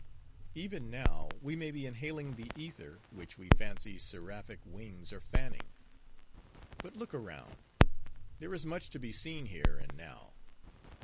Even now, we may be inhaling the ether, which we fancy seraphic wings are fanning. But look round. There is much to be seen here, and now.